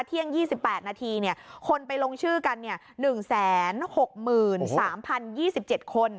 เที่ยง๒๘นาทีคนไปลงชื่อกัน๑๖๓๐๒๗คน